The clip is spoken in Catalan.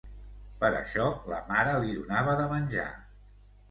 Per això la mare li donava de menjar.